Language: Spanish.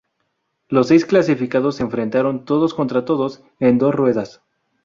Los seis clasificados se enfrentaron todos contra todos, en dos ruedas.